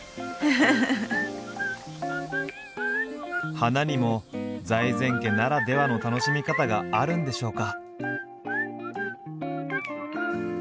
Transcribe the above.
花にも財前家ならではの楽しみ方があるんでしょうか？